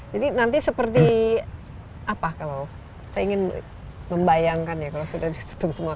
jadi nanti seperti apa kalau saya ingin membayangkan ya kalau sudah ditutup semua